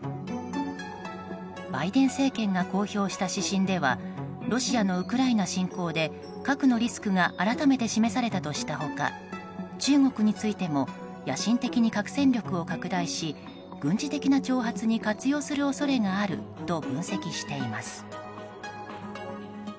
バイデン政権が公表した指針ではロシアのウクライナ侵攻で核のリスクが改めて示されたとした他中国についても野心的に核戦力を拡大し軍事的な挑発に活用する恐れがあると分析しています。